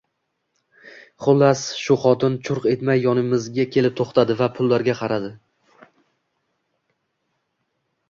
Xullas, shu xotin churq etmay yonimizga kelib to`xtadi va pullarga qaradi